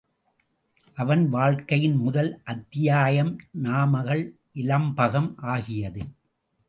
அவன் வாழ்க்கையின் முதல் அத்தியாயம் நாமகள் இலம்பகம் ஆகியது.